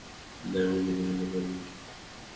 দামিনী বলিল, পারিব।